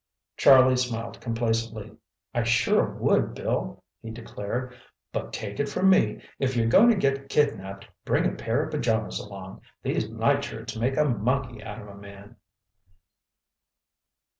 Charlie smiled complacently. "I sure would, Bill," he declared, "but take it from me, if you're going to get kidnapped, bring a pair of pajamas along—these nightshirts make a monkey out of a man!"